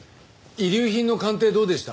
遺留品の鑑定どうでした？